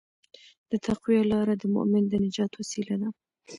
د تقوی لاره د مؤمن د نجات وسیله ده.